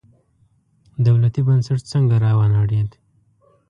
دولتي بنسټ څنګه راونړېد.